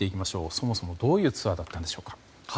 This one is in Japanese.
そもそも、どういうツアーだったんでしょうか。